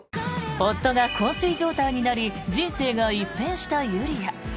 夫がこん睡状態になり人生が一変したゆりあ。